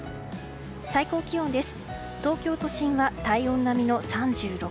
最高気温です。